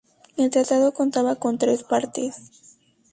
El Tratado contaba con tres partes.